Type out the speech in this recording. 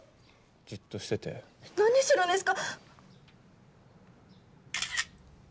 じっとしてて何するんですか？